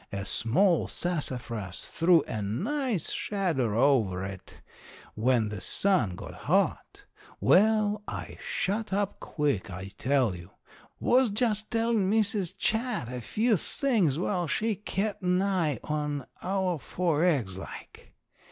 A small sassafras threw a nice shadow over it when the sun got hot. Well, I shut up quick, I tell you. Was just tellin' Mrs. Chat a few things while she kep' an eye on our four eggs like.